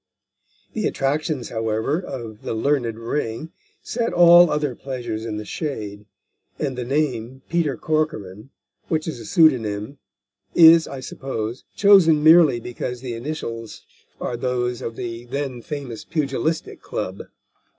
The attractions, however, of The Learned Ring, set all other pleasures in the shade, and the name, Peter Corcoran, which is a pseudonym, is, I suppose, chosen merely because the initials are those of the then famous Pugilistic Club.